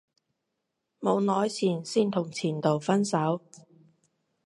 冇耐前先同前度分手